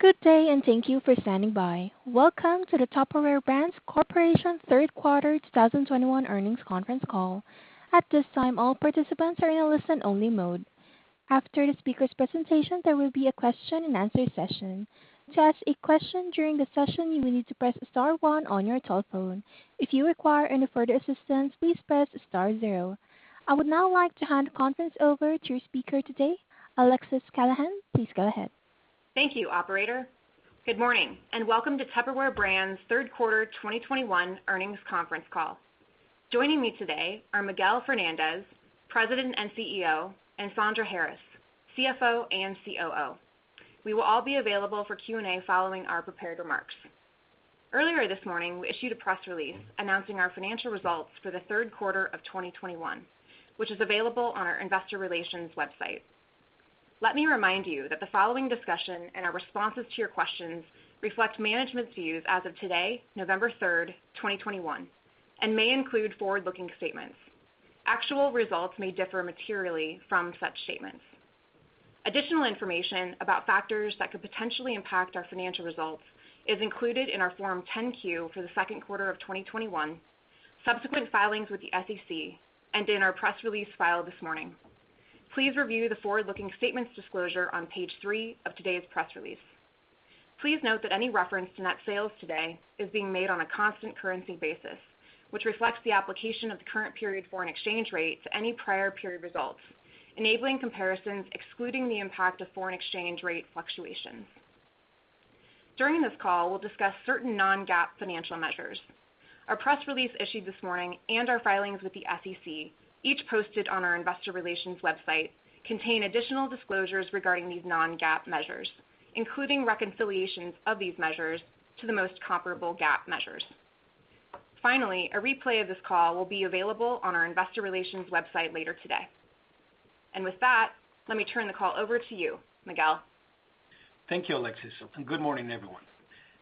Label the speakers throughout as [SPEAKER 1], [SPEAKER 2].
[SPEAKER 1] Good day, and thank you for standing by. Welcome to the Tupperware Brands Corporation Q3 2021 earnings conference call. At this time, all participants are in a listen only mode. After the speaker's presentation, there will be a question and answer session. To ask a question during the session, you will need to press star one on your telephone. If you require any further assistance, please press star zero. I would now like to hand the conference over to your speaker today, Alexis Callahan. Please go ahead.
[SPEAKER 2] Thank you, operator. Good morning, and welcome to Tupperware Brands Q3 2021 earnings conference call. Joining me today are Miguel Fernandez, President and CEO, and Sandra Harris, CFO and COO. We will all be available for Q&A following our prepared remarks. Earlier this morning, we issued a press release announcing our financial results for the Q3 of 2021, which is available on our investor relations website. Let me remind you that the following discussion and our responses to your questions reflect management's views as of today, November 3rd, 2021, and may include forward-looking statements. Actual results may differ materially from such statements. Additional information about factors that could potentially impact our financial results is included in our Form 10-Q for the Q2 of 2021, subsequent filings with the SEC, and in our press release filed this morning. Please review the forward-looking statements disclosure on page three of today's press release. Please note that any reference to net sales today is being made on a constant currency basis, which reflects the application of the current period foreign exchange rate to any prior period results, enabling comparisons excluding the impact of foreign exchange rate fluctuations. During this call, we'll discuss certain non-GAAP financial measures. Our press release issued this morning and our filings with the SEC, each posted on our investor relations website, contain additional disclosures regarding these non-GAAP measures, including reconciliations of these measures to the most comparable GAAP measures. Finally, a replay of this call will be available on our investor relations website later today. With that, let me turn the call over to you, Miguel.
[SPEAKER 3] Thank you, Alexis, and good morning, everyone.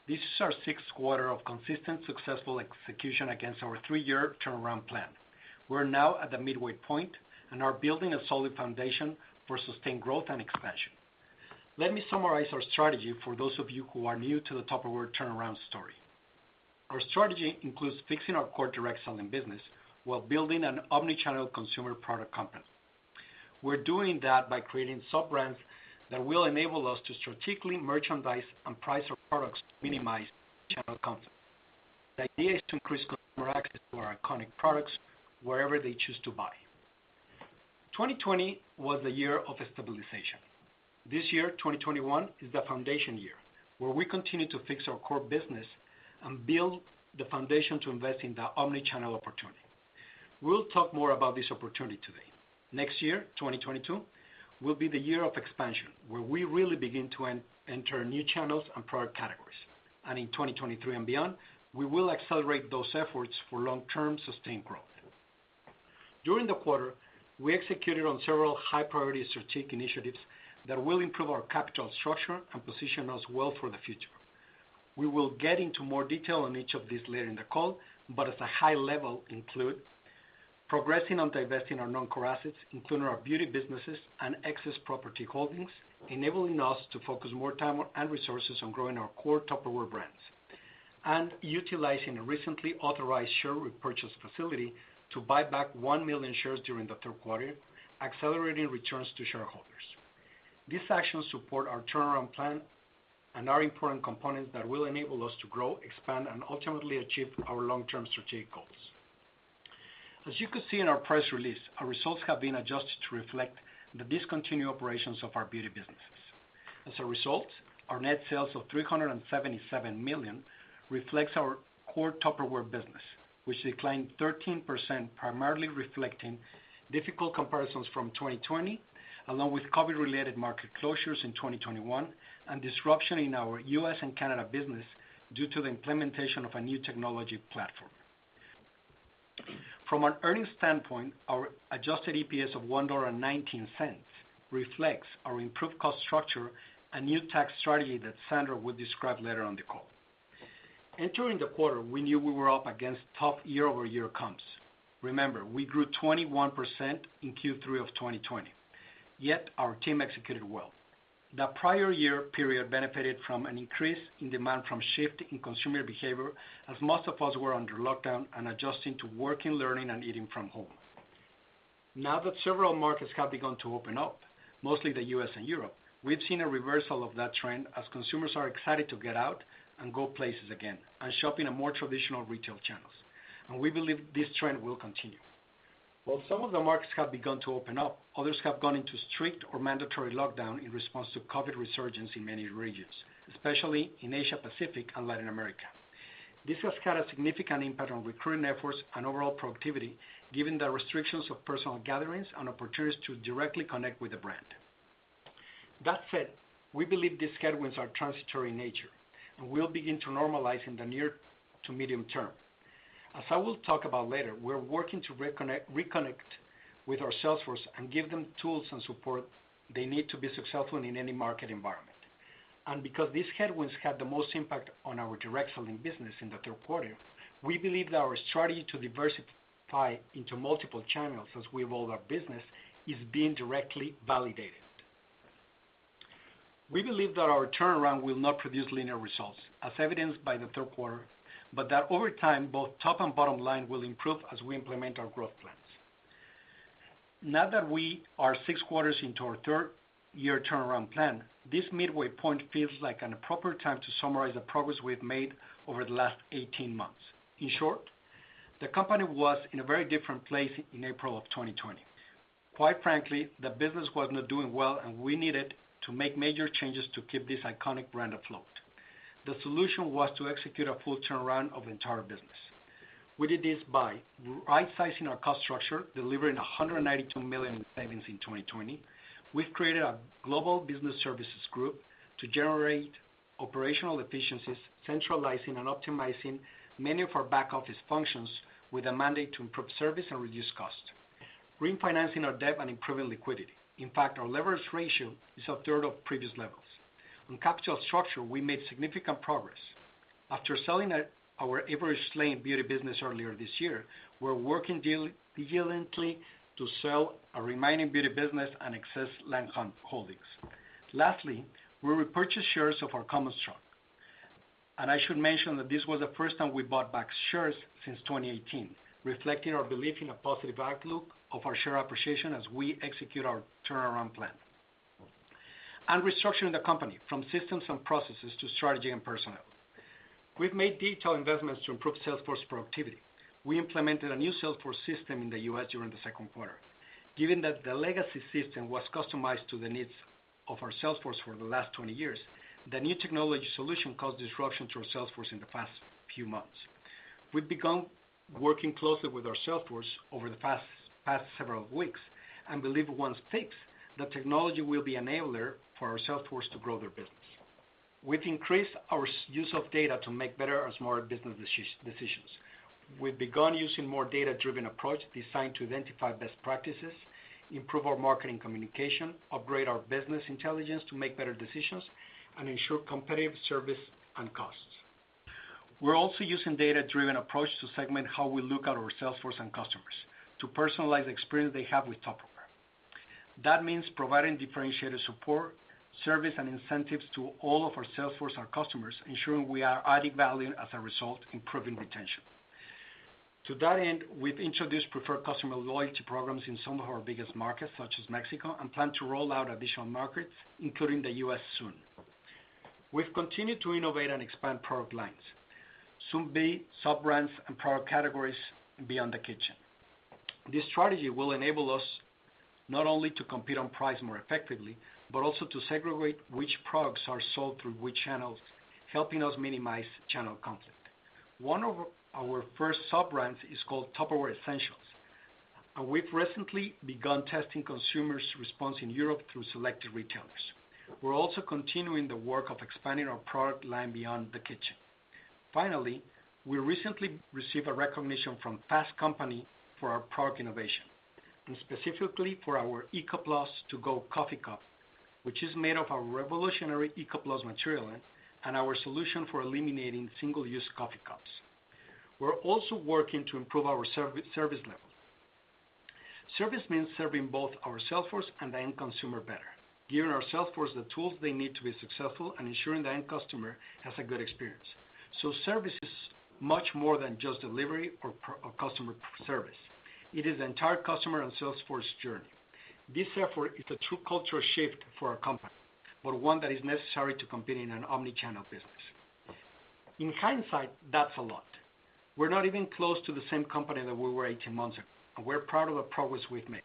[SPEAKER 3] This is our sixth quarter of consistent successful execution against our three-year turnaround plan. We're now at the midway point and are building a solid foundation for sustained growth and expansion. Let me summarize our strategy for those of you who are new to the Tupperware turnaround story. Our strategy includes fixing our core direct selling business while building an omni-channel consumer product company. We're doing that by creating sub-brands that will enable us to strategically merchandise and price our products to minimize channel conflict. The idea is to increase consumer access to our iconic products wherever they choose to buy. 2020 was the year of stabilization. This year, 2021, is the foundation year, where we continue to fix our core business and build the foundation to invest in the omni-channel opportunity. We'll talk more about this opportunity today. Next year, 2022, will be the year of expansion, where we really begin to enter new channels and product categories. In 2023 and beyond, we will accelerate those efforts for long-term sustained growth. During the quarter, we executed on several high-priority strategic initiatives that will improve our capital structure and position us well for the future. We will get into more detail on each of these later in the call, but at a high level include progressing on divesting our non-core assets, including our beauty businesses and excess property holdings, enabling us to focus more time and resources on growing our core Tupperware Brands, utilizing a recently authorized share repurchase facility to buy back one million shares during the Q3, accelerating returns to shareholders. These actions support our turnaround plan and are important components that will enable us to grow, expand, and ultimately achieve our long-term strategic goals. As you could see in our press release, our results have been adjusted to reflect the discontinued operations of our beauty businesses. As a result, our net sales of $377 million reflects our core Tupperware business, which declined 13%, primarily reflecting difficult comparisons from 2020, along with COVID-related market closures in 2021, and disruption in our U.S. and Canada business due to the implementation of a new technology platform. From an earnings standpoint, our adjusted EPS of $1.19 reflects our improved cost structure and new tax strategy that Sandra will describe later on the call. Entering the quarter, we knew we were up against tough year-over-year comps. Remember, we grew 21% in Q3 of 2020, yet our team executed well. The prior year period benefited from an increase in demand from shift in consumer behavior as most of us were under lockdown and adjusting to working, learning, and eating from home. Now that several markets have begun to open up, mostly the U.S. and Europe, we've seen a reversal of that trend as consumers are excited to get out and go places again and shop in a more traditional retail channels. We believe this trend will continue. While some of the markets have begun to open up, others have gone into strict or mandatory lockdown in response to COVID resurgence in many regions, especially in Asia Pacific and Latin America. This has had a significant impact on recruiting efforts and overall productivity, given the restrictions of personal gatherings and opportunities to directly connect with the brand. That said, we believe these headwinds are transitory in nature and will begin to normalize in the near to medium term. As I will talk about later, we're working to reconnect with our sales force and give them tools and support they need to be successful in any market environment. Because these headwinds had the most impact on our direct selling business in the Q3, we believe that our strategy to diversify into multiple channels as we evolve our business is being directly validated. We believe that our turnaround will not produce linear results, as evidenced by the Q3, but that over time, both top and bottom line will improve as we implement our growth plans. Now that we are six quarters into our third-year turnaround plan, this midway point feels like an appropriate time to summarize the progress we've made over the last 18 months. In short, the company was in a very different place in April 2020. Quite frankly, the business was not doing well, and we needed to make major changes to keep this iconic brand afloat. The solution was to execute a full turnaround of the entire business. We did this by rightsizing our cost structure, delivering $192 million in savings in 2020. We've created a global business services group to generate operational efficiencies, centralizing and optimizing many of our back-office functions with a mandate to improve service and reduce cost, refinancing our debt and improving liquidity. In fact, our leverage ratio is a third of previous levels. On capital structure, we made significant progress. After selling our Avroy Shlain beauty business earlier this year, we're working diligently to sell our remaining beauty business and excess land holdings. Lastly, we repurchased shares of our common stock. I should mention that this was the first time we bought back shares since 2018, reflecting our belief in a positive outlook of our share appreciation as we execute our turnaround plan, restructuring the company from systems and processes to strategy and personnel. We've made detailed investments to improve sales force productivity. We implemented a new sales force system in the U.S. during the Q2. Given that the legacy system was customized to the needs of our sales force for the last 20 years, the new technology solution caused disruption to our sales force in the past few months. We've begun working closely with our sales force over the past several weeks and believe once fixed, the technology will be enabler for our sales force to grow their business. We've increased our use of data to make better and smarter business decisions. We've begun using more data-driven approach designed to identify best practices, improve our marketing communication, upgrade our business intelligence to make better decisions, and ensure competitive service and costs. We're also using data-driven approach to segment how we look at our sales force and customers to personalize the experience they have with Tupperware. That means providing differentiated support, service, and incentives to all of our sales force, our customers, ensuring we are adding value as a result, improving retention. To that end, we've introduced preferred customer loyalty programs in some of our biggest markets, such as Mexico, and plan to roll out additional markets, including the U.S. soon. We've continued to innovate and expand product lines soon, new sub-brands and product categories beyond the kitchen. This strategy will enable us not only to compete on price more effectively, but also to segregate which products are sold through which channels, helping us minimize channel conflict. One of our first sub-brands is called Tupperware Essentials, and we've recently begun testing consumers' response in Europe through selected retailers. We're also continuing the work of expanding our product line beyond the kitchen. Finally, we recently received a recognition from Fast Company for our product innovation, and specifically for our ECO+ To-Go Coffee Cup, which is made of our revolutionary ECO+ material and our solution for eliminating single-use coffee cups. We're also working to improve our service level. Service means serving both our sales force and the end consumer better, giving our sales force the tools they need to be successful and ensuring the end customer has a good experience. Service is much more than just delivery or customer service. It is the entire customer and sales force journey. This therefore is a true cultural shift for our company, but one that is necessary to compete in an omni-channel business. In hindsight, that's a lot. We're not even close to the same company that we were 18 months ago, and we're proud of the progress we've made.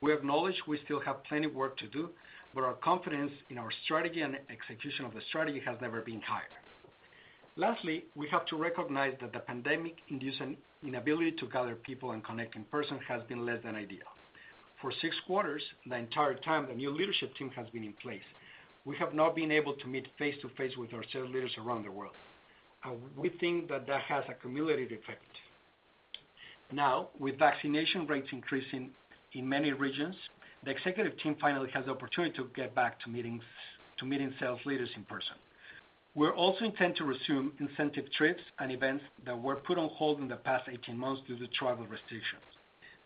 [SPEAKER 3] We acknowledge we still have plenty of work to do, but our confidence in our strategy and execution of the strategy has never been higher. Lastly, we have to recognize that the pandemic-induced inability to gather people and connect in person has been less than ideal. For six quarters, the entire time the new leadership team has been in place, we have not been able to meet face-to-face with our sales leaders around the world, and we think that that has a cumulative effect. Now, with vaccination rates increasing in many regions, the executive team finally has the opportunity to get back to meetings, to meeting sales leaders in person. We also intend to resume incentive trips and events that were put on hold in the past 18 months due to travel restrictions.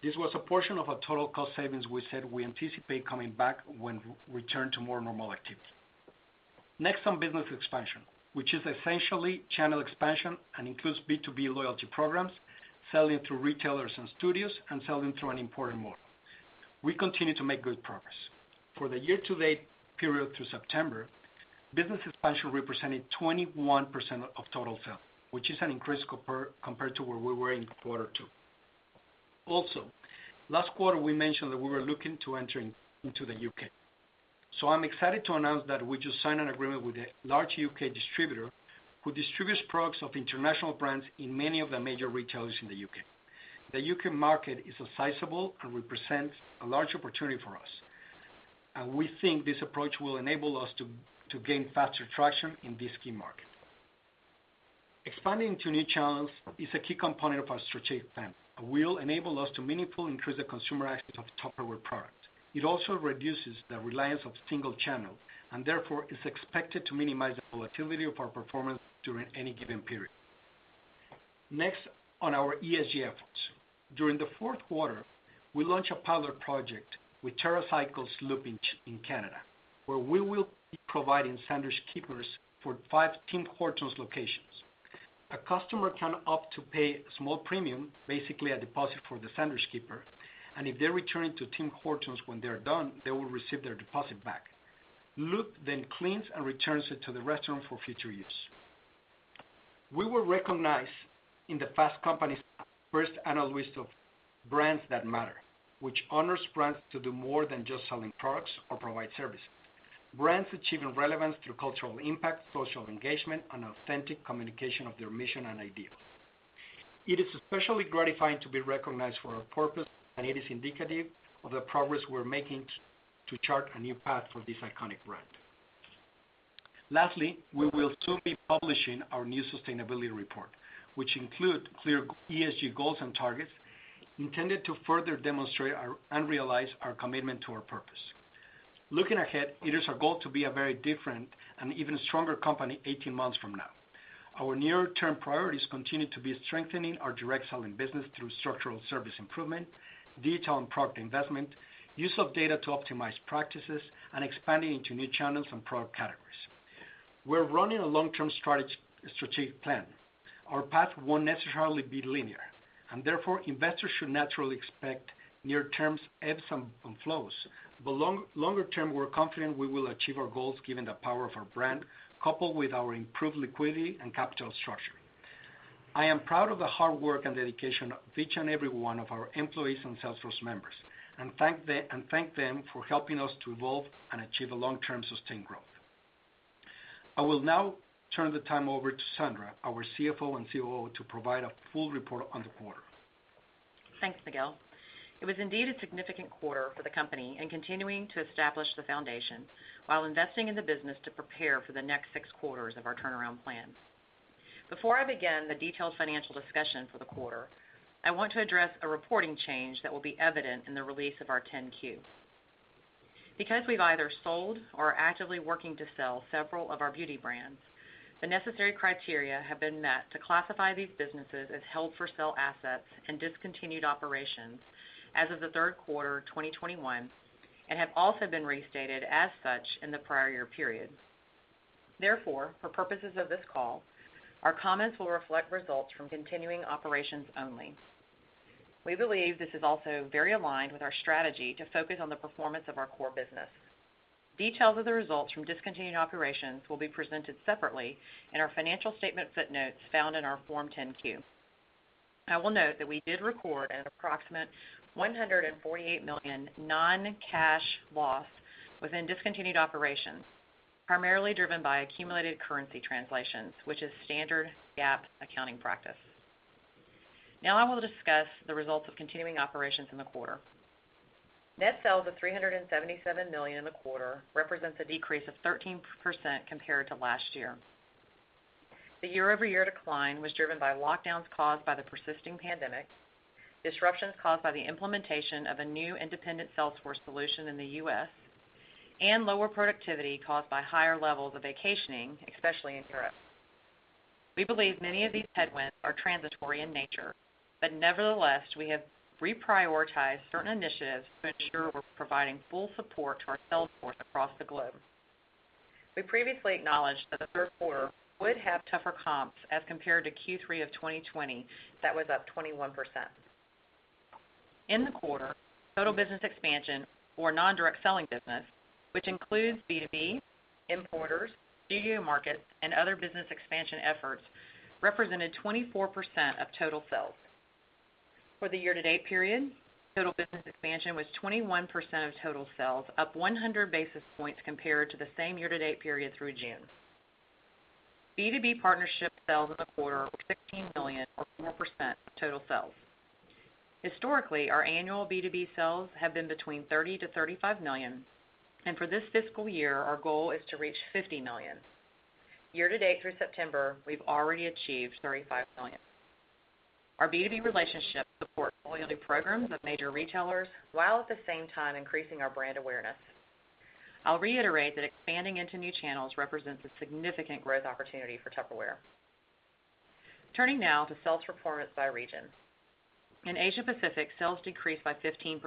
[SPEAKER 3] This was a portion of our total cost savings we said we anticipate coming back when return to more normal activity. Next, on business expansion, which is essentially channel expansion and includes B2B loyalty programs, selling to retailers and studios, and selling through an important model. We continue to make good progress. For the year-to-date period through September, business expansion represented 21% of total sales, which is an increase compared to where we were in Q2. Also, last quarter, we mentioned that we were looking to enter into the U.K. I'm excited to announce that we just signed an agreement with a large U.K. distributor who distributes products of international brands in many of the major retailers in the U.K. The U.K. market is sizeable and represents a large opportunity for us, and we think this approach will enable us to gain faster traction in this key market. Expanding into new channels is a key component of our strategic plan and will enable us to meaningfully increase the consumer access of Tupperware products. It also reduces the reliance of single channel and therefore is expected to minimize the volatility of our performance during any given period. Next on our ESG efforts. During the Q4, we launched a pilot project with TerraCycle's Loop in Canada, where we will be providing Sandwich Keepers for five Tim Hortons locations. A customer can opt to pay a small premium, basically a deposit for the Sandwich Keeper, and if they return it to Tim Hortons when they are done, they will receive their deposit back. Loop then cleans and returns it to the restaurant for future use. We were recognized in the Fast Company's first annual list of brands that matter, which honors brands to do more than just selling products or provide services. Brands achieving relevance through cultural impact, social engagement, and authentic communication of their mission and ideals. It is especially gratifying to be recognized for our purpose, and it is indicative of the progress we're making to chart a new path for this iconic brand. Lastly, we will soon be publishing our new sustainability report, which include clear ESG goals and targets intended to further demonstrate our and realize our commitment to our purpose. Looking ahead, it is our goal to be a very different and even stronger company 18 months from now. Our near-term priorities continue to be strengthening our direct selling business through structural service improvement, digital and product investment, use of data to optimize practices, and expanding into new channels and product categories. We're running a long-term strategic plan. Our path won't necessarily be linear, and therefore, investors should naturally expect near-term ebbs and flows. Longer term, we're confident we will achieve our goals given the power of our brand, coupled with our improved liquidity and capital structure. I am proud of the hard work and dedication of each and every one of our employees and sales force members, and thank them for helping us to evolve and achieve a long-term sustained growth. I will now turn the time over to Sandra, our CFO and COO, to provide a full report on the quarter.
[SPEAKER 4] Thanks, Miguel. It was indeed a significant quarter for the company in continuing to establish the foundation while investing in the business to prepare for the next six quarters of our turnaround plans. Before I begin the detailed financial discussion for the quarter, I want to address a reporting change that will be evident in the release of our 10-Q. Because we've either sold or are actively working to sell several of our beauty brands, the necessary criteria have been met to classify these businesses as held for sale assets and discontinued operations as of the Q3 2021, and have also been restated as such in the prior year periods. Therefore, for purposes of this call, our comments will reflect results from continuing operations only. We believe this is also very aligned with our strategy to focus on the performance of our core business. Details of the results from discontinued operations will be presented separately in our financial statement footnotes found in our Form 10-Q. I will note that we did record an approximate $148 million non-cash loss within discontinued operations, primarily driven by accumulated currency translations, which is standard GAAP accounting practice. Now I will discuss the results of continuing operations in the quarter. Net sales of $377 million in the quarter represents a decrease of 13% compared to last year. The year-over-year decline was driven by lockdowns caused by the persisting pandemic, disruptions caused by the implementation of a new independent Salesforce solution in the U.S., and lower productivity caused by higher levels of vacationing, especially in Europe. We believe many of these headwinds are transitory in nature, but nevertheless, we have reprioritized certain initiatives to ensure we're providing full support to our sales force across the globe. We previously acknowledged that the Q3 would have tougher comps as compared to Q3 of 2020. That was up 21%. In the quarter, total business expansion or non-direct selling business, which includes B2B, importers, studio markets, and other business expansion efforts, represented 24% of total sales. For the year-to-date period, total business expansion was 21% of total sales, up 100 basis points compared to the same year-to-date period through June. B2B partnership sales in the quarter were $16 million or 4% of total sales. Historically, our annual B2B sales have been between $30 million-$35 million, and for this fiscal year, our goal is to reach $50 million. Year to date through September, we've already achieved $35 million. Our B2B relationships support loyalty programs of major retailers while at the same time increasing our brand awareness. I'll reiterate that expanding into new channels represents a significant growth opportunity for Tupperware. Turning now to sales performance by region. In Asia-Pacific, sales decreased by 15%.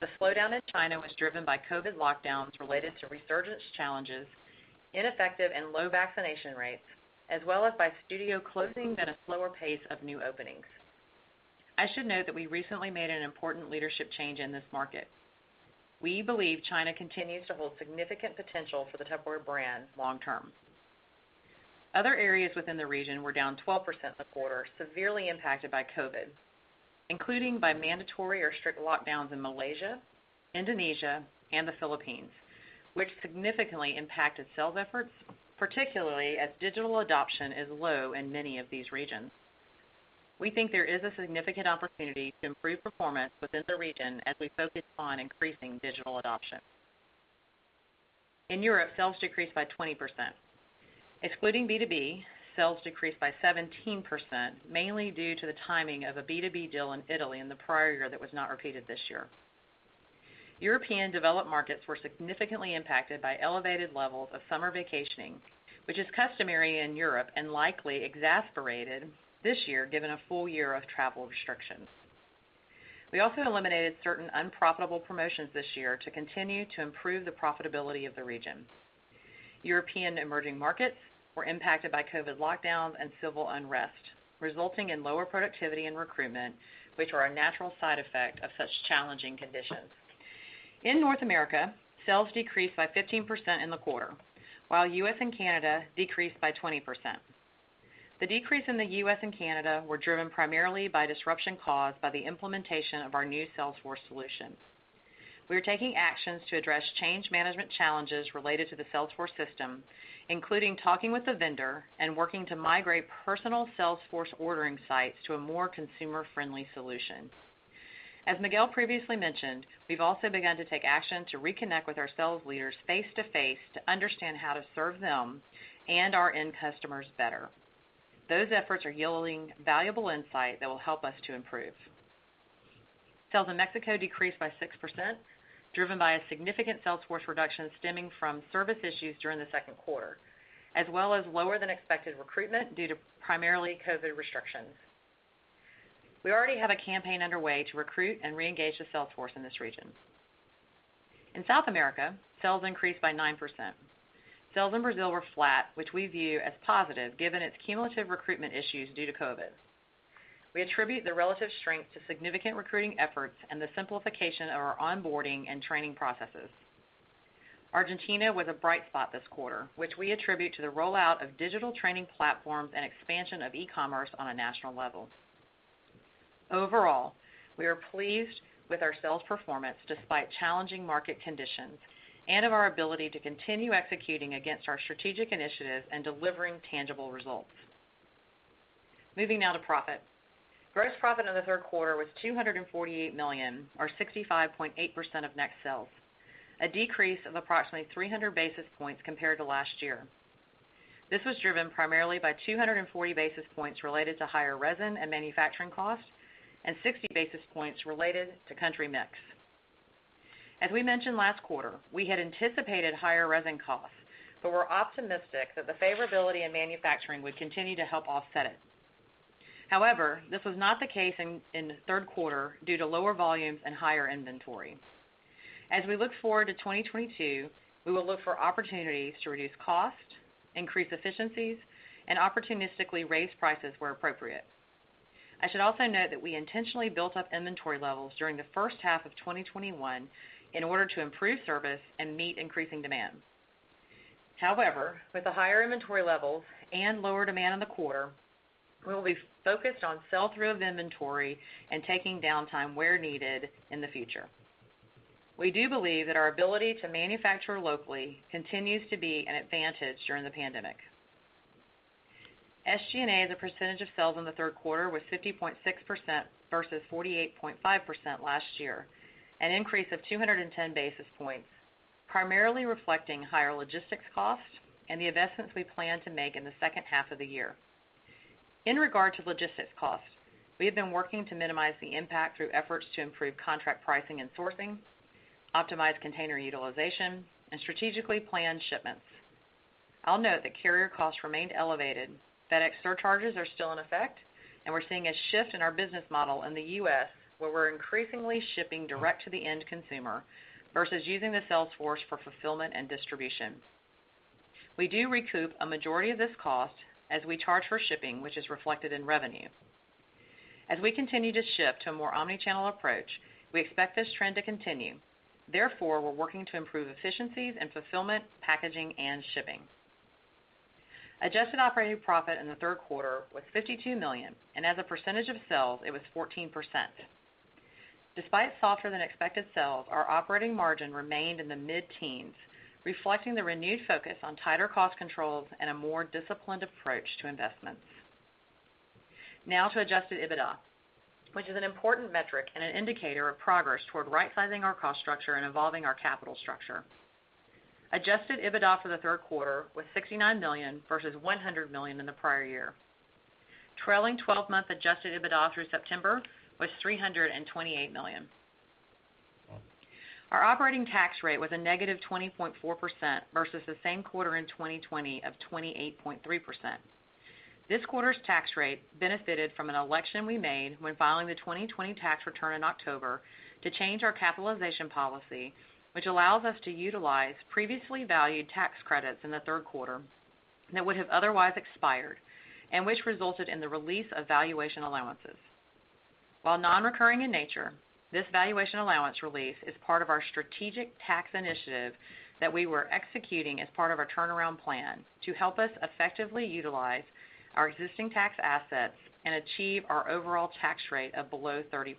[SPEAKER 4] The slowdown in China was driven by COVID lockdowns related to resurgence challenges, ineffective and low vaccination rates, as well as by studio closings at a slower pace of new openings. I should note that we recently made an important leadership change in this market. We believe China continues to hold significant potential for the Tupperware brand long term. Other areas within the region were down 12% in the quarter, severely impacted by COVID, including by mandatory or strict lockdowns in Malaysia, Indonesia, and the Philippines, which significantly impacted sales efforts, particularly as digital adoption is low in many of these regions. We think there is a significant opportunity to improve performance within the region as we focus on increasing digital adoption. In Europe, sales decreased by 20%. Excluding B2B, sales decreased by 17%, mainly due to the timing of a B2B deal in Italy in the prior year that was not repeated this year. European developed markets were significantly impacted by elevated levels of summer vacationing, which is customary in Europe and likely exacerbated this year given a full year of travel restrictions. We also eliminated certain unprofitable promotions this year to continue to improve the profitability of the region. European emerging markets were impacted by COVID lockdowns and civil unrest, resulting in lower productivity and recruitment, which are a natural side effect of such challenging conditions. In North America, sales decreased by 15% in the quarter, while U.S. and Canada decreased by 20%. The decrease in the U.S. and Canada were driven primarily by disruption caused by the implementation of our new Salesforce solutions. We are taking actions to address change management challenges related to the Salesforce system, including talking with the vendor and working to migrate personal Salesforce ordering sites to a more consumer-friendly solution. As Miguel previously mentioned, we've also begun to take action to reconnect with our sales leaders face-to-face to understand how to serve them and our end customers better. Those efforts are yielding valuable insight that will help us to improve. Sales in Mexico decreased by 6%, driven by a significant sales force reduction stemming from service issues during the Q2, as well as lower than expected recruitment due to primarily COVID restrictions. We already have a campaign underway to recruit and reengage the sales force in this region. In South America, sales increased by 9%. Sales in Brazil were flat, which we view as positive given its cumulative recruitment issues due to COVID. We attribute the relative strength to significant recruiting efforts and the simplification of our onboarding and training processes. Argentina was a bright spot this quarter, which we attribute to the rollout of digital training platforms and expansion of e-commerce on a national level. Overall, we are pleased with our sales performance despite challenging market conditions and with our ability to continue executing against our strategic initiatives and delivering tangible results. Moving now to profit. Gross profit in the Q3 was $248 million, or 65.8% of net sales, a decrease of approximately 300 basis points compared to last year. This was driven primarily by 240 basis points related to higher resin and manufacturing costs and 60 basis points related to country mix. As we mentioned last quarter, we had anticipated higher resin costs, but were optimistic that the favorability in manufacturing would continue to help offset it. However, this was not the case in the Q3 due to lower volumes and higher inventory. As we look forward to 2022, we will look for opportunities to reduce costs, increase efficiencies, and opportunistically raise prices where appropriate. I should also note that we intentionally built up inventory levels during the H1 of 2021 in order to improve service and meet increasing demands. However, with the higher inventory levels and lower demand in the quarter, we will be focused on sell-through of inventory and taking downtime where needed in the future. We do believe that our ability to manufacture locally continues to be an advantage during the pandemic. SG&A as a percentage of sales in the Q3 was 50.6% versus 48.5% last year, an increase of 210 basis points, primarily reflecting higher logistics costs and the investments we plan to make in the H2 of the year. In regard to logistics costs, we have been working to minimize the impact through efforts to improve contract pricing and sourcing, optimize container utilization, and strategically plan shipments. I'll note that carrier costs remained elevated. FedEx surcharges are still in effect, and we're seeing a shift in our business model in the U.S., where we're increasingly shipping direct to the end consumer versus using the sales force for fulfillment and distribution. We do recoup a majority of this cost as we charge for shipping, which is reflected in revenue. As we continue to shift to a more omni-channel approach, we expect this trend to continue. Therefore, we're working to improve efficiencies in fulfillment, packaging, and shipping. Adjusted operating profit in the Q3 was $52 million, and as a percentage of sales, it was 14%. Despite softer than expected sales, our operating margin remained in the mid-teens, reflecting the renewed focus on tighter cost controls and a more disciplined approach to investments. Now to adjusted EBITDA, which is an important metric and an indicator of progress toward right-sizing our cost structure and evolving our capital structure. Adjusted EBITDA for the Q3 was $69 million versus $100 million in the prior year. Trailing 12-month adjusted EBITDA through September was $328 million. Our operating tax rate was a negative 20.4% versus the same quarter in 2020 of 28.3%. This quarter's tax rate benefited from an election we made when filing the 2020 tax return in October to change our capitalization policy, which allows us to utilize previously valued tax credits in the Q3 that would have otherwise expired and which resulted in the release of valuation allowances. While non-recurring in nature, this valuation allowance release is part of our strategic tax initiative that we were executing as part of our turnaround plan to help us effectively utilize our existing tax assets and achieve our overall tax rate of below 30%.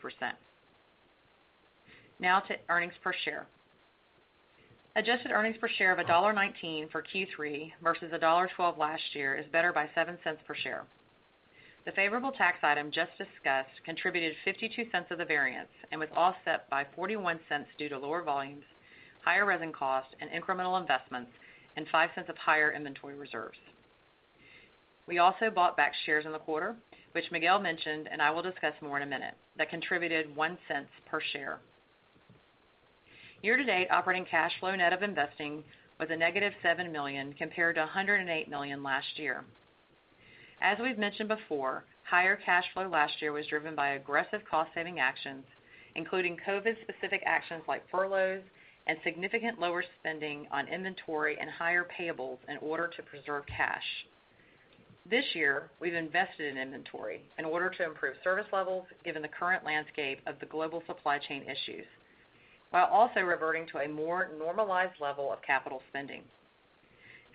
[SPEAKER 4] Now to earnings per share. Adjusted earnings per share of $1.19 for Q3 versus $1.12 last year is better by $0.07 per share. The favorable tax item just discussed contributed $0.52 of the variance and was offset by $0.41 due to lower volumes, higher resin costs, and incremental investments, and $0.05 of higher inventory reserves. We also bought back shares in the quarter, which Miguel mentioned, and I will discuss more in a minute, that contributed $0.01 per share. Year-to-date operating cash flow net of investing was -$7 million, compared to $108 million last year. As we've mentioned before, higher cash flow last year was driven by aggressive cost-saving actions, including COVID-specific actions like furloughs and significant lower spending on inventory and higher payables in order to preserve cash. This year, we've invested in inventory in order to improve service levels given the current landscape of the global supply chain issues, while also reverting to a more normalized level of capital spending.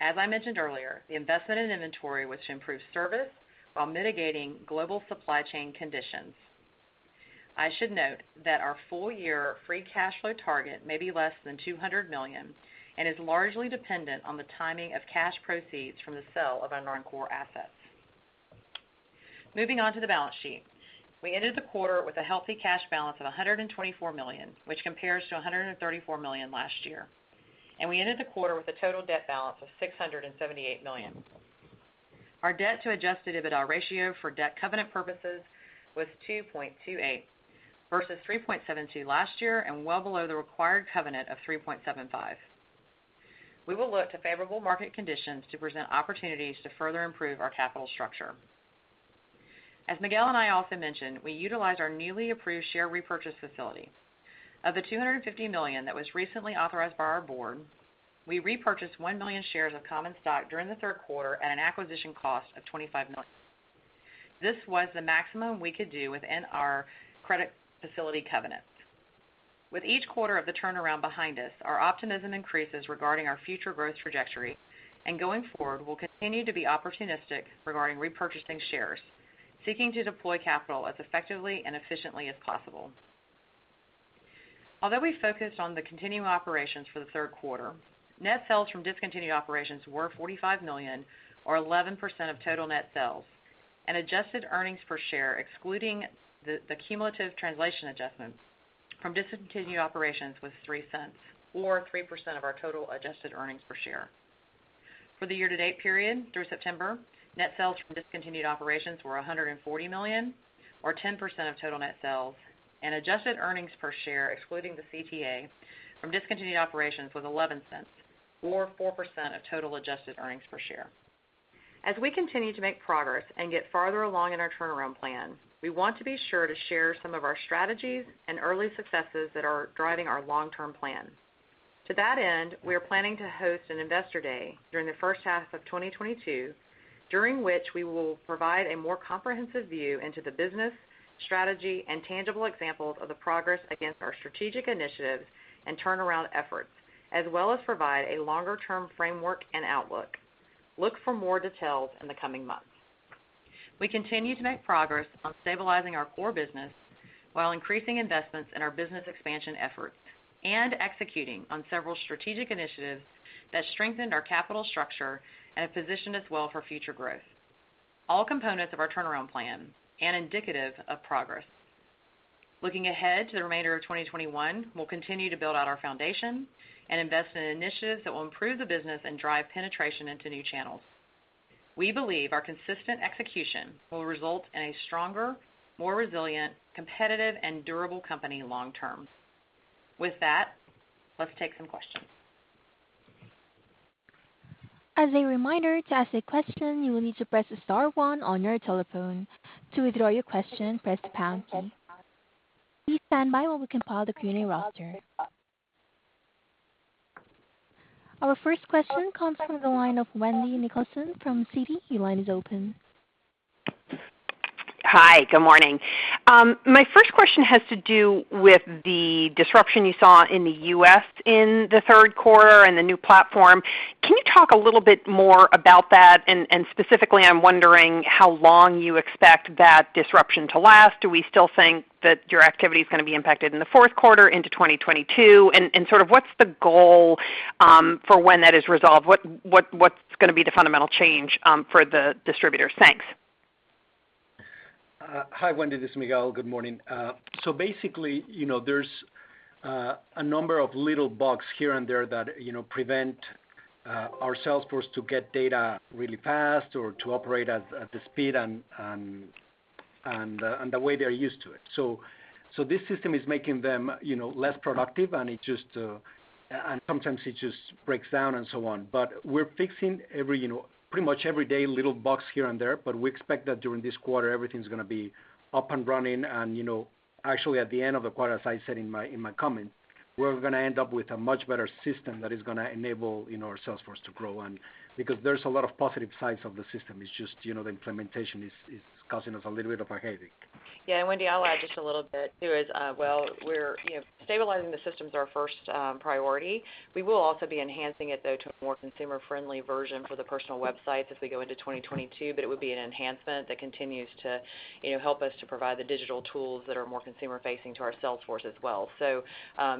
[SPEAKER 4] As I mentioned earlier, the investment in inventory was to improve service while mitigating global supply chain conditions. I should note that our full year free cash flow target may be less than $200 million and is largely dependent on the timing of cash proceeds from the sale of non-core assets. Moving on to the balance sheet. We ended the quarter with a healthy cash balance of $124 million, which compares to $134 million last year, and we ended the quarter with a total debt balance of $678 million. Our debt to adjusted EBITDA ratio for debt covenant purposes was 2.28 versus 3.72 last year and well below the required covenant of 3.75. We will look to favorable market conditions to present opportunities to further improve our capital structure. As Miguel and I also mentioned, we utilized our newly approved share repurchase facility. Of the $250 million that was recently authorized by our board, we repurchased one million shares of common stock during the Q3 at an acquisition cost of $25 million. This was the maximum we could do within our credit facility covenants. With each quarter of the turnaround behind us, our optimism increases regarding our future growth trajectory, and going forward, we'll continue to be opportunistic regarding repurchasing shares, seeking to deploy capital as effectively and efficiently as possible. Although we focused on the continuing operations for the Q3, net sales from discontinued operations were $45 million or 11% of total net sales, and adjusted earnings per share, excluding the cumulative translation adjustments from discontinued operations was $0.03 or 3% of our total adjusted earnings per share. For the year-to-date period through September, net sales from discontinued operations were $140 million or 10% of total net sales, and adjusted earnings per share, excluding the CTA from discontinued operations was $0.11 or 4% of total adjusted earnings per share. As we continue to make progress and get farther along in our turnaround plan, we want to be sure to share some of our strategies and early successes that are driving our long-term plan. To that end, we are planning to host an investor day during the H1 of 2022, during which we will provide a more comprehensive view into the business, strategy, and tangible examples of the progress against our strategic initiatives and turnaround efforts, as well as provide a longer-term framework and outlook. Look for more details in the coming months. We continue to make progress on stabilizing our core business while increasing investments in our business expansion efforts and executing on several strategic initiatives that strengthened our capital structure and have positioned us well for future growth, all components of our turnaround plan and indicative of progress. Looking ahead to the remainder of 2021, we'll continue to build out our foundation and invest in initiatives that will improve the business and drive penetration into new channels. We believe our consistent execution will result in a stronger, more resilient, competitive, and durable company long term. With that, let's take some questions.
[SPEAKER 1] As a reminder, to ask a question, you will need to press star one on your telephone. To withdraw your question, press the pound key. Please stand by while we compile the Q&A roster. Our first question comes from the line of Wendy Nicholson from Citi. Your line is open.
[SPEAKER 5] Hi. Good morning. My first question has to do with the disruption you saw in the U.S. in the Q3 and the new platform. Can you talk a little bit more about that? And specifically, I'm wondering how long you expect that disruption to last. Do we still think that your activity is gonna be impacted in the Q4 into 2022? And sort of what's the goal for when that is resolved? What's gonna be the fundamental change for the distributors? Thanks.
[SPEAKER 3] Hi, Wendy. This is Miguel. Good morning. Basically, you know, there's a number of little bugs here and there that, you know, prevent our sales force to get data really fast or to operate at the speed and the way they're used to it. This system is making them, you know, less productive, and it just sometimes breaks down, and so on. We're fixing, you know, pretty much every day, little bugs here and there. We expect that during this quarter, everything's gonna be up and running. You know, actually, at the end of the quarter, as I said in my comment, we're gonna end up with a much better system that is gonna enable, you know, our sales force to grow and because there's a lot of positive sides of the system. It's just, you know, the implementation is causing us a little bit of a headache.
[SPEAKER 4] Yeah. Wendy, I'll add just a little bit. Well, we're, you know, stabilizing the system is our first priority. We will also be enhancing it, though, to a more consumer-friendly version for the personal websites as we go into 2022, but it would be an enhancement that continues to, you know, help us to provide the digital tools that are more consumer-facing to our sales force as well. You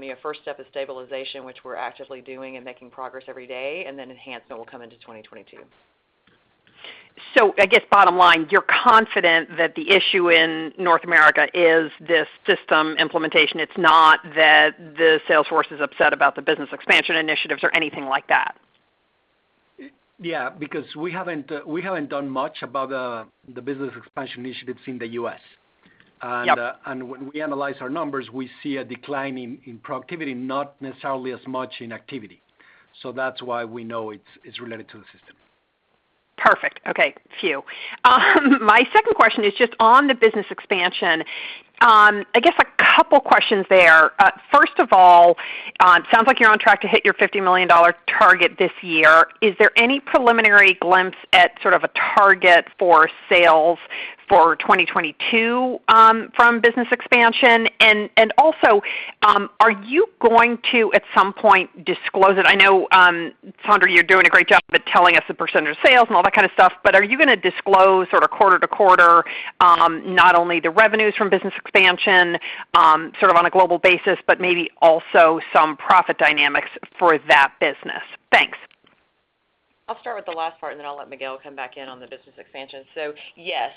[SPEAKER 4] know, first step is stabilization, which we're actively doing and making progress every day, and then enhancement will come into 2022.
[SPEAKER 5] I guess bottom line, you're confident that the issue in North America is this system implementation. It's not that the sales force is upset about the business expansion initiatives or anything like that?
[SPEAKER 3] Yeah, because we haven't done much about the business expansion initiatives in the U.S.
[SPEAKER 5] Yeah.
[SPEAKER 3] When we analyze our numbers, we see a decline in productivity, not necessarily as much in activity. That's why we know it's related to the system.
[SPEAKER 5] Perfect. Okay, phew. My second question is just on the business expansion. I guess a couple questions there. First of all, it sounds like you're on track to hit your $50 million target this year. Is there any preliminary glimpse at sort of a target for sales for 2022 from business expansion? Also, are you going to, at some point, disclose it? I know, Sandra, you're doing a great job at telling us the percentage of sales and all that kind of stuff, but are you gonna disclose sort of quarter-to-quarter not only the revenues from business expansion sort of on a global basis, but maybe also some profit dynamics for that business? Thanks.
[SPEAKER 4] I'll start with the last part, and then I'll let Miguel come back in on the business expansion. Yes,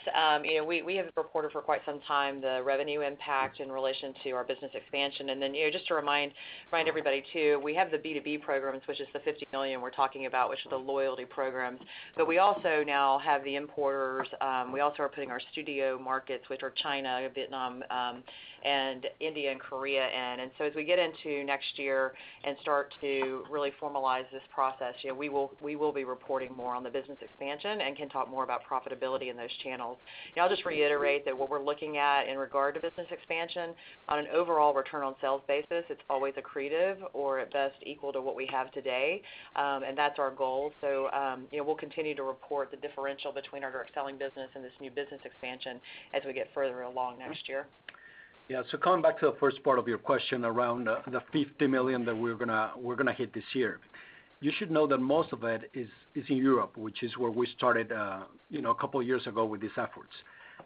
[SPEAKER 4] you know, we have reported for quite some time the revenue impact in relation to our business expansion. Then, you know, just to remind everybody too, we have the B2B programs, which is the $50 million we're talking about, which is the loyalty program. We also now have the importers. We also are putting our studio markets, which are China, Vietnam, and India, and Korea in. As we get into next year and start to really formalize this process, you know, we will be reporting more on the business expansion and can talk more about profitability in those channels. You know, I'll just reiterate that what we're looking at in regard to business expansion on an overall return on sales basis, it's always accretive or at best equal to what we have today, and that's our goal. You know, we'll continue to report the differential between our direct selling business and this new business expansion as we get further along next year.
[SPEAKER 3] Coming back to the first part of your question around the $50 million that we're gonna hit this year. You should know that most of it is in Europe, which is where we started a couple years ago with these efforts.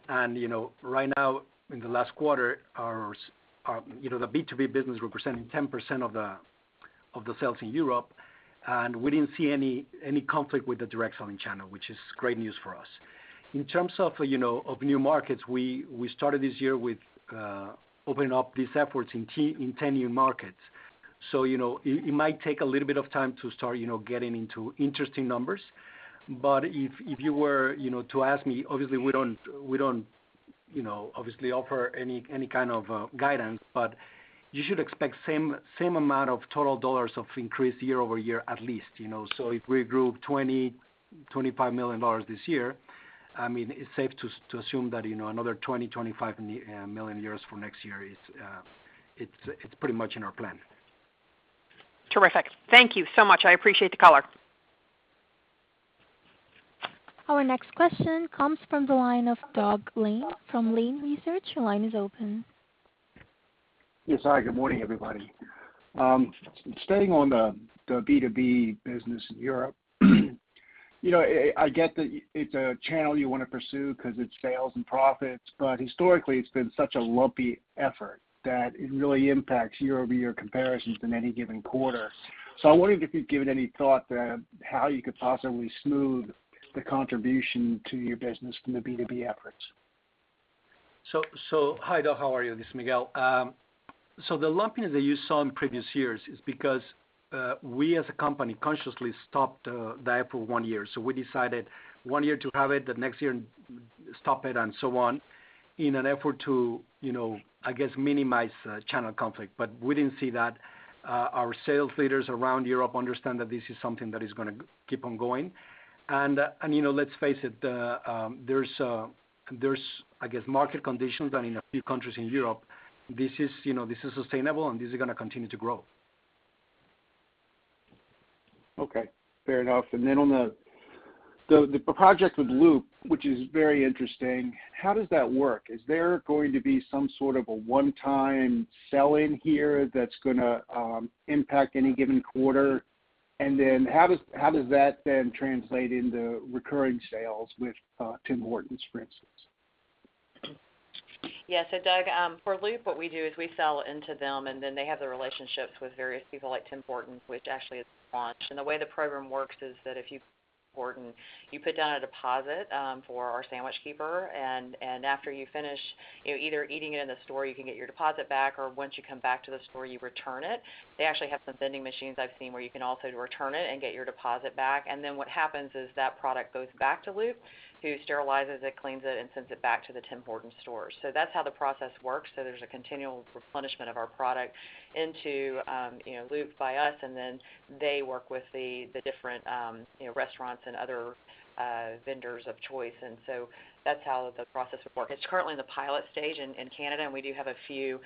[SPEAKER 3] Right now in the last quarter, our B2B business representing 10% of the sales in Europe, and we didn't see any conflict with the direct selling channel, which is great news for us. In terms of new markets, we started this year with opening up these efforts in 10 new markets. It might take a little bit of time to start getting into interesting numbers. If you were, you know, to ask me, obviously we don't you know obviously offer any kind of guidance, but you should expect same amount of total dollars of increase year-over-year, at least, you know. If we grew $20 million-$25 million this year, I mean, it's safe to assume that, you know, another 20 million-25 million for next year is it's pretty much in our plan.
[SPEAKER 5] Terrific. Thank you so much. I appreciate the color.
[SPEAKER 1] Our next question comes from the line of Doug Lane from Lane Research. Your line is open.
[SPEAKER 6] Yes. Hi, good morning, everybody. Staying on the B2B business in Europe. You know, I get that it's a channel you wanna pursue because it's sales and profits, but historically, it's been such a lumpy effort that it really impacts year-over-year comparisons in any given quarter. I'm wondering if you've given any thought to how you could possibly smooth the contribution to your business from the B2B efforts.
[SPEAKER 3] Hi, Doug. How are you? This is Miguel. The lumpiness that you saw in previous years is because we as a company consciously stopped the effort one year. We decided one year to have it, the next year stop it and so on in an effort to you know I guess minimize channel conflict. We didn't see that. Our sales leaders around Europe understand that this is something that is gonna keep on going. You know, let's face it, there's I guess market conditions and in a few countries in Europe, this is you know this is sustainable and this is gonna continue to grow.
[SPEAKER 6] Okay, fair enough. On the project with Loop, which is very interesting, how does that work? Is there going to be some sort of a one-time sell-in here that's gonna impact any given quarter? How does that then translate into recurring sales with Tim Hortons, for instance?
[SPEAKER 4] Yeah. Doug, for Loop, what we do is we sell into them, and then they have the relationships with various people like Tim Hortons, which actually has launched. The way the program works is that if you put down a deposit for our Sandwich Keeper, and after you finish, you know, either eating it in the store, you can get your deposit back, or once you come back to the store, you return it. They actually have some vending machines I've seen where you can also return it and get your deposit back. Then what happens is that product goes back to Loop, who sterilizes it, cleans it, and sends it back to the Tim Hortons stores. That's how the process works, so there's a continual replenishment of our product into, you know, Loop by us, and then they work with the different, you know, restaurants and other vendors of choice. That's how the process would work. It's currently in the pilot stage in Canada, and we do have a few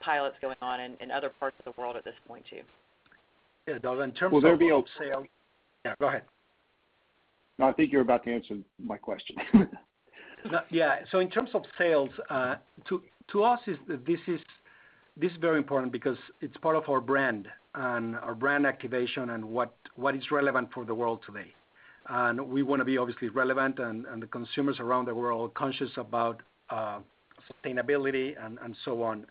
[SPEAKER 4] pilots going on in other parts of the world at this point too.
[SPEAKER 3] Yeah, Doug, in terms of.
[SPEAKER 6] Will there be a-
[SPEAKER 3] Yeah, go ahead.
[SPEAKER 6] No, I think you're about to answer my question.
[SPEAKER 3] No. Yeah. So in terms of sales to us, this is very important because it's part of our brand and our brand activation and what is relevant for the world today. We wanna be obviously relevant and the consumers around the world are conscious about sustainability and so on.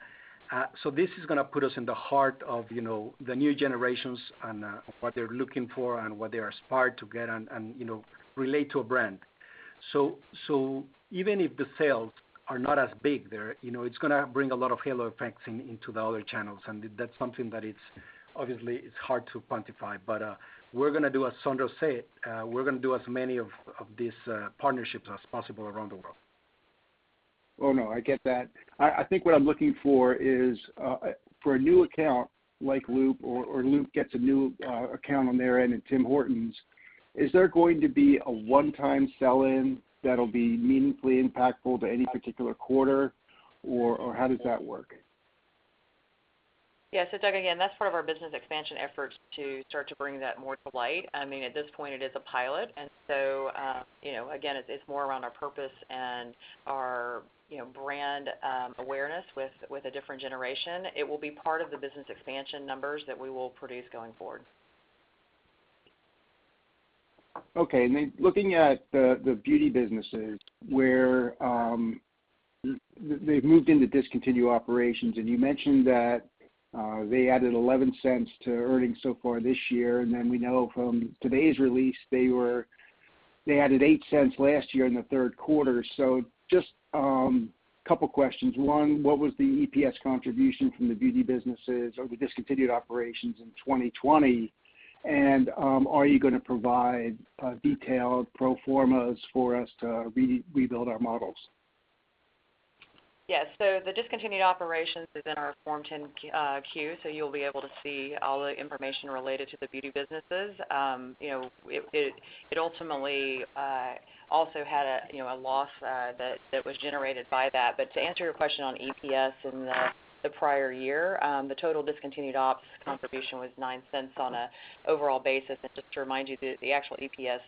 [SPEAKER 3] This is gonna put us in the heart of you know the new generations and what they're looking for and what they aspire to get and you know relate to a brand. Even if the sales are not as big there, you know, it's gonna bring a lot of halo effects into the other channels, and that's something that it's obviously hard to quantify. We're gonna do, as Sandra said, as many of these partnerships as possible around the world.
[SPEAKER 6] Oh, no, I get that. I think what I'm looking for is for a new account like Loop or Loop gets a new account on their end in Tim Hortons, is there going to be a one-time sell-in that'll be meaningfully impactful to any particular quarter or how does that work?
[SPEAKER 4] Yeah. Doug, again, that's part of our business expansion efforts to start to bring that more to light. I mean, at this point it is a pilot and, you know, again, it's more around our purpose and our, you know, brand awareness with a different generation. It will be part of the business expansion numbers that we will produce going forward.
[SPEAKER 6] Okay. Then looking at the beauty businesses where they've moved into discontinued operations, and you mentioned that they added $0.11 to earnings so far this year. We know from today's release, they added $0.08 last year in the Q3. Just couple questions. One, what was the EPS contribution from the beauty businesses or the discontinued operations in 2020? And are you gonna provide detailed pro formas for us to rebuild our models?
[SPEAKER 4] Yeah. The discontinued operations is in our Form 10-Q, so you'll be able to see all the information related to the beauty businesses. You know, it ultimately also had a you know a loss that was generated by that. To answer your question on EPS in the prior year, the total discontinued ops contribution was $0.09 on an overall basis. Just to remind you, the actual EPS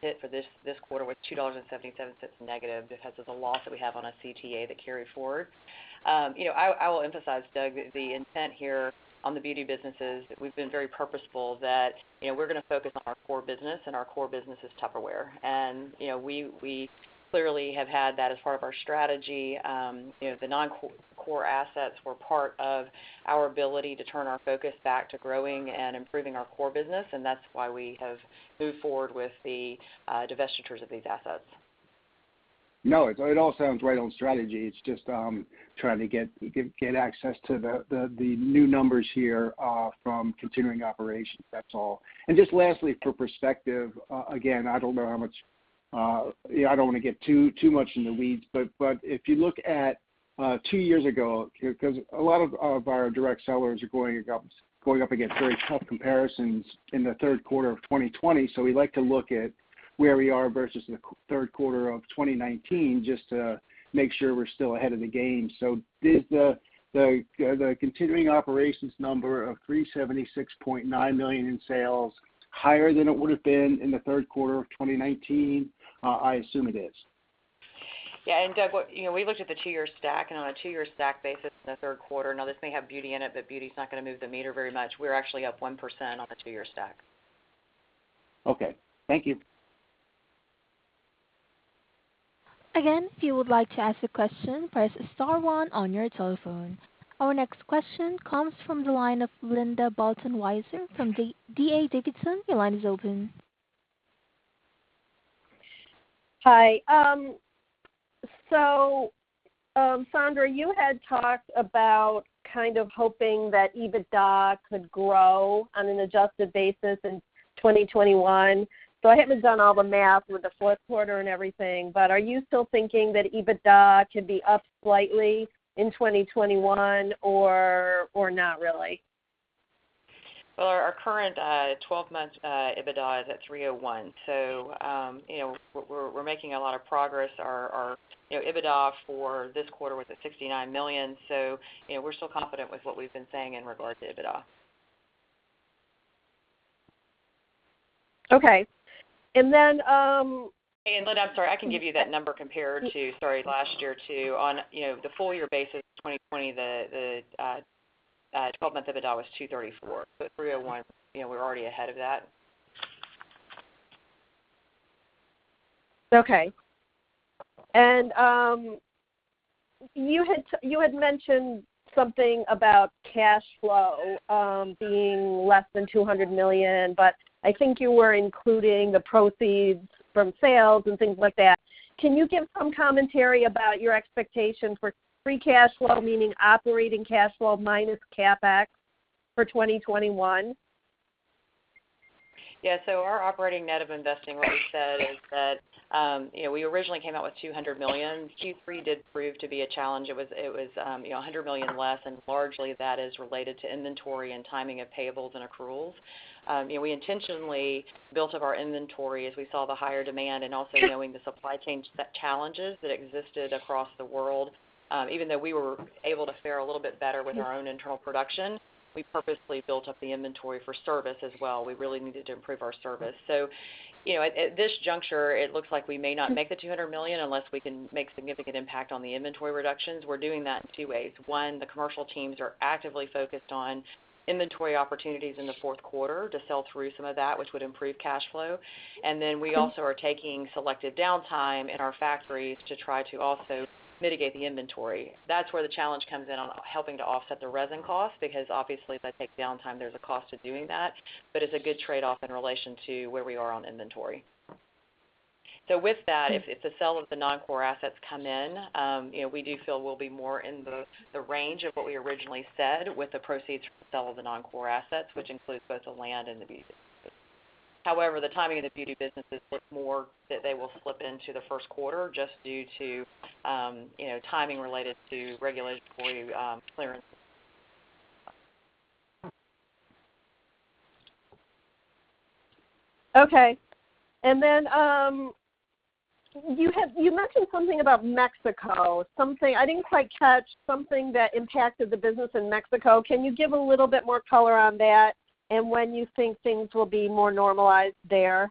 [SPEAKER 4] hit for this quarter was -$2.77 because of the loss that we have on our CTA that carried forward. You know, I will emphasize, Doug, the intent here on the beauty businesses. We've been very purposeful that you know we're gonna focus on our core business, and our core business is Tupperware. You know, we clearly have had that as part of our strategy. You know, the non-core assets were part of our ability to turn our focus back to growing and improving our core business, and that's why we have moved forward with the divestitures of these assets.
[SPEAKER 6] No, it all sounds right on strategy. It's just trying to get access to the new numbers here from continuing operations. That's all. Just lastly for perspective, again, I don't know how much I don't wanna get too much in the weeds, but if you look at two years ago, because a lot of our direct sellers are going up against very tough comparisons in the Q3 of 2020. We like to look at where we are versus the Q3 of 2019 just to make sure we're still ahead of the game. Is the continuing operations number of $376.9 million in sales higher than it would've been in the Q3 of 2019? I assume it is.
[SPEAKER 4] Yeah. Doug, you know, we looked at the two-year stack, and on a two-year stack basis in the Q3, now this may have beauty in it, but beauty's not gonna move the meter very much. We're actually up 1% on the two-year stack.
[SPEAKER 6] Okay. Thank you.
[SPEAKER 1] Again, if you would like to ask a question, press star one on your telephone. Our next question comes from the line of Linda Bolton Weiser from D.A. Davidson. Your line is open.
[SPEAKER 7] Hi. Sandra, you had talked about kind of hoping that EBITDA could grow on an adjusted basis in 2021. I haven't done all the math with the Q4 and everything, but are you still thinking that EBITDA could be up slightly in 2021 or not really?
[SPEAKER 4] Well, our current 12-month EBITDA is at $301. You know, we're making a lot of progress. Our you know, EBITDA for this quarter was at $69 million, so you know, we're still confident with what we've been saying in regards to EBITDA.
[SPEAKER 7] Okay. And then-
[SPEAKER 4] Linda, I'm sorry. I can give you that number compared to, sorry, last year too. You know, on the full-year basis, 2020, the 12-month EBITDA was $234. You know, at $301, we're already ahead of that.
[SPEAKER 7] Okay. You had mentioned something about cash flow being less than $200 million, but I think you were including the proceeds from sales and things like that. Can you give some commentary about your expectation for free cash flow, meaning operating cash flow minus CapEx for 2021?
[SPEAKER 4] Yeah. Our operating net of investing really says that, you know, we originally came out with $200 million. Q3 did prove to be a challenge. It was a $100 million less, and largely that is related to inventory and timing of payables and accruals. You know, we intentionally built up our inventory as we saw the higher demand and also knowing the supply chain challenges that existed across the world. Even though we were able to fare a little bit better with our own internal production, we purposely built up the inventory for service as well. We really needed to improve our service. You know, at this juncture, it looks like we may not make the $200 million unless we can make significant impact on the inventory reductions. We're doing that in two ways. One, the commercial teams are actively focused on inventory opportunities in the Q4 to sell through some of that, which would improve cash flow. We also are taking selective downtime in our factories to try to also mitigate the inventory. That's where the challenge comes in on helping to offset the resin cost because obviously as I take downtime, there's a cost to doing that, but it's a good trade-off in relation to where we are on inventory. With that, if the sale of the non-core assets come in, you know, we do feel we'll be more in the range of what we originally said with the proceeds from the sale of the non-core assets, which includes both the land and the beauty business. However, the timing of the beauty business is looking more like they will slip into the Q1 just due to, you know, timing related to Regulation D clearance.
[SPEAKER 7] Okay. You mentioned something about Mexico. I didn't quite catch something that impacted the business in Mexico. Can you give a little bit more color on that and when you think things will be more normalized there?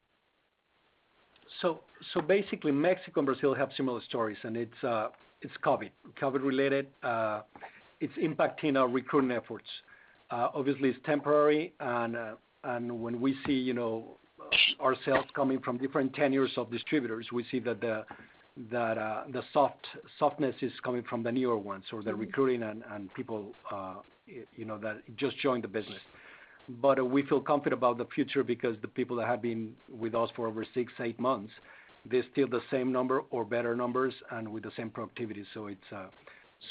[SPEAKER 3] Basically, Mexico and Brazil have similar stories, and it's COVID-related. It's impacting our recruitment efforts. Obviously, it's temporary and when we see, you know, our sales coming from different tenures of distributors, we see that the softness is coming from the newer ones or the recruiting and people, you know, that just joined the business. We feel confident about the future because the people that have been with us for over six, eight months, they're still the same number or better numbers and with the same productivity. It's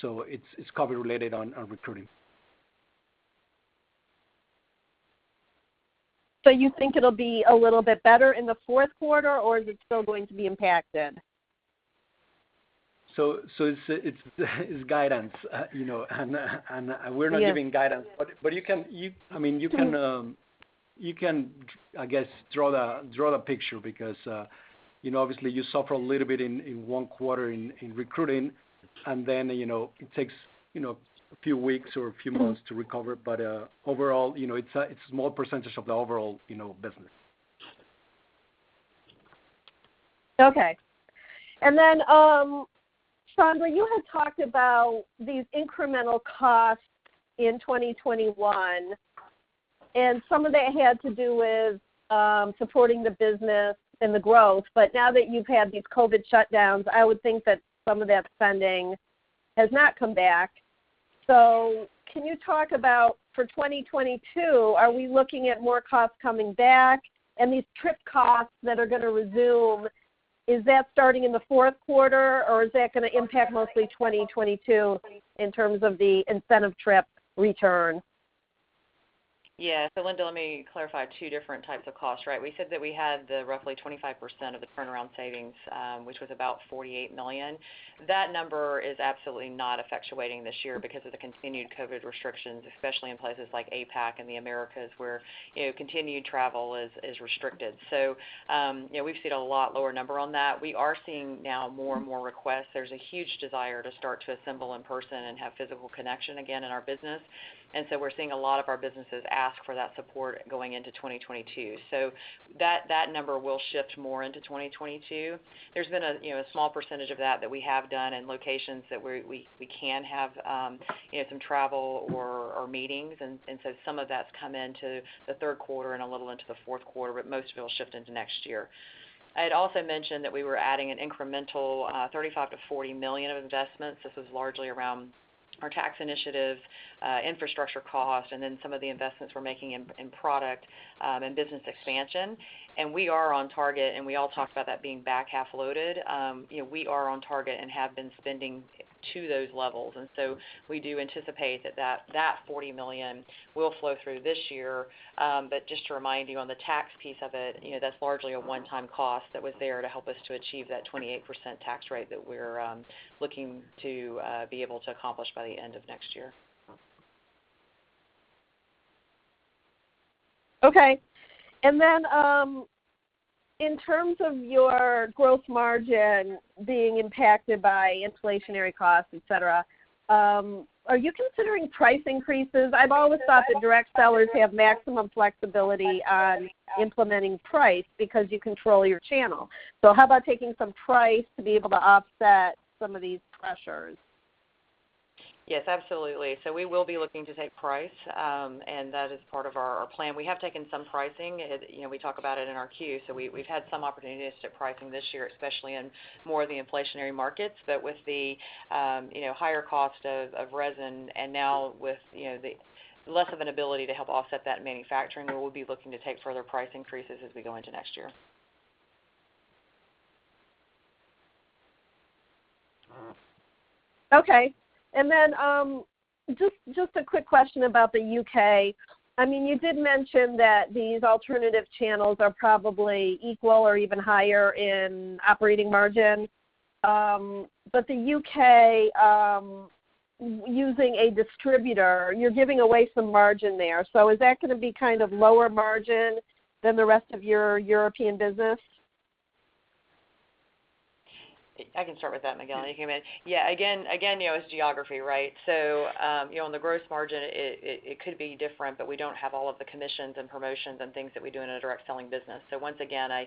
[SPEAKER 3] COVID related on our recruiting.
[SPEAKER 7] You think it'll be a little bit better in the Q4, or is it still going to be impacted?
[SPEAKER 3] It's guidance, you know, and we're not giving guidance.
[SPEAKER 7] Yeah.
[SPEAKER 3] You can, I mean, you can, I guess, draw the picture because you know, obviously you suffer a little bit in one quarter in recruiting and then, you know, it takes you know, a few weeks or a few months to recover. Overall, you know, it's a small percentage of the overall business.
[SPEAKER 7] Okay. Sandra, you had talked about these incremental costs in 2021, and some of that had to do with supporting the business and the growth. Now that you've had these COVID shutdowns, I would think that some of that spending has not come back. Can you talk about, for 2022, are we looking at more costs coming back? These trip costs that are gonna resume, is that starting in the Q4, or is that gonna impact mostly 2022 in terms of the incentive trip return?
[SPEAKER 4] Yeah, Linda, let me clarify two different types of costs, right? We said that we had the roughly 25% of the turnaround savings, which was about $48 million. That number is absolutely not effectuating this year because of the continued COVID restrictions, especially in places like APAC and the Americas, where, you know, continued travel is restricted. You know, we've seen a lot lower number on that. We are seeing now more and more requests. There's a huge desire to start to assemble in person and have physical connection again in our business. We're seeing a lot of our businesses ask for that support going into 2022. That number will shift more into 2022. There's been, you know, a small percentage of that we have done in locations that we can have, you know, some travel or meetings. Some of that's come into the Q3 and a little into the Q4, but most of it will shift into next year. I had also mentioned that we were adding an incremental $35 million-$40 million of investments. This is largely around our tax initiative, infrastructure cost, and then some of the investments we're making in product and business expansion. We are on target, and we all talked about that being back half loaded. We are on target and have been spending to those levels. We do anticipate that $40 million will flow through this year. Just to remind you on the tax piece of it, you know, that's largely a one-time cost that was there to help us to achieve that 28% tax rate that we're looking to be able to accomplish by the end of next year.
[SPEAKER 7] Okay. In terms of your growth margin being impacted by inflationary costs, et cetera, are you considering price increases? I've always thought that direct sellers have maximum flexibility on implementing price because you control your channel. How about taking some price to be able to offset some of these pressures?
[SPEAKER 4] Yes, absolutely. We will be looking to take price, and that is part of our plan. We have taken some pricing. You know, we talk about it in our Q. We've had some opportunistic pricing this year, especially in more of the inflationary markets. But with the higher cost of resin and now with the less of an ability to help offset that in manufacturing, we'll be looking to take further price increases as we go into next year.
[SPEAKER 7] Okay. Just a quick question about the U.K. I mean, you did mention that these alternative channels are probably equal or even higher in operating margin. But the U.K., using a distributor, you're giving away some margin there. Is that gonna be kind of lower margin than the rest of your European business?
[SPEAKER 4] I can start with that, Miguel, and you come in. Yeah. Again, you know, it's geography, right? So, you know, on the gross margin, it could be different, but we don't have all of the commissions and promotions and things that we do in a direct selling business. So once again, I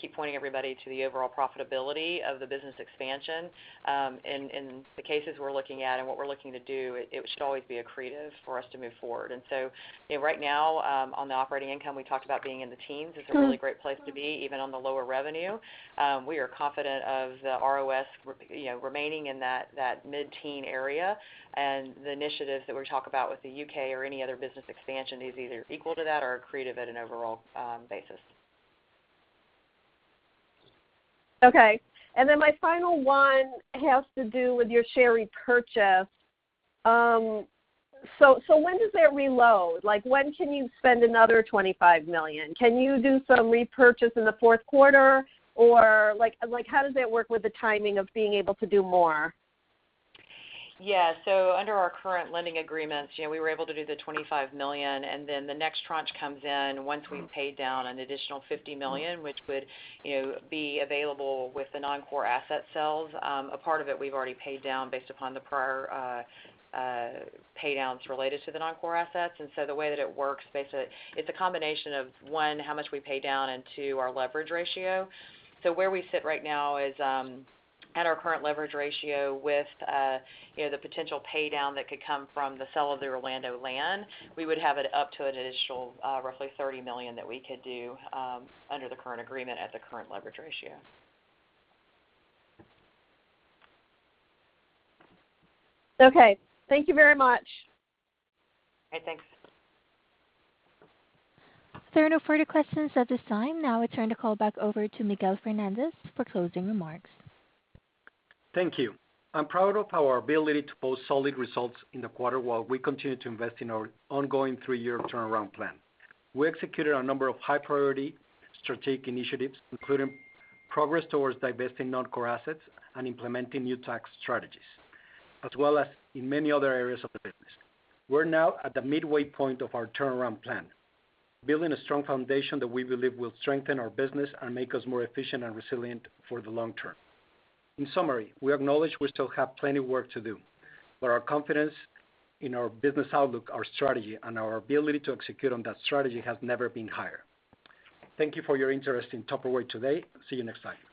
[SPEAKER 4] keep pointing everybody to the overall profitability of the business expansion. In the cases we're looking at and what we're looking to do, it should always be accretive for us to move forward. You know, right now, on the operating income, we talked about being in the teens. It's a really great place to be even on the lower revenue. We are confident of the ROS, you know, remaining in that mid-teen area. The initiatives that we talk about with the U.K. or any other business expansion is either equal to that or accretive at an overall basis.
[SPEAKER 7] Okay. Then my final one has to do with your share repurchase. So when does that reload? Like, when can you spend another $25 million? Can you do some repurchase in the Q4? Or like how does that work with the timing of being able to do more?
[SPEAKER 4] Yeah. Under our current lending agreements, you know, we were able to do the $25 million, and then the next tranche comes in once we've paid down an additional $50 million, which would, you know, be available with the non-core asset sales. A part of it we've already paid down based upon the prior pay downs related to the non-core assets. The way that it works, basically, it's a combination of, one, how much we pay down, and two, our leverage ratio. Where we sit right now is, at our current leverage ratio with, you know, the potential pay down that could come from the sale of the Orlando land, we would have it up to an additional, roughly $30 million that we could do, under the current agreement at the current leverage ratio.
[SPEAKER 7] Okay. Thank you very much.
[SPEAKER 4] All right. Thanks.
[SPEAKER 1] There are no further questions at this time. Now I turn the call back over to Miguel Fernandez for closing remarks.
[SPEAKER 3] Thank you. I'm proud of our ability to post solid results in the quarter while we continue to invest in our ongoing three-year turnaround plan. We executed a number of high priority strategic initiatives, including progress towards divesting non-core assets and implementing new tax strategies, as well as in many other areas of the business. We're now at the midway point of our turnaround plan, building a strong foundation that we believe will strengthen our business and make us more efficient and resilient for the long term. In summary, we acknowledge we still have plenty of work to do, but our confidence in our business outlook, our strategy, and our ability to execute on that strategy has never been higher. Thank you for your interest in Tupperware today. See you next time.